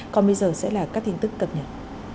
còn bây giờ sẽ là các tin tức cập nhật